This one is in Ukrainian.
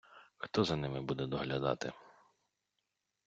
Хто за ними буде доглядати?